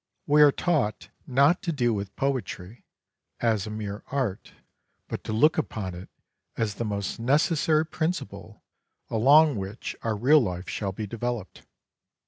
We are taught not to deal with poetry Forezvord xi as a mere art, but to look upon it as the most necessary principle along which our real life shall be developed.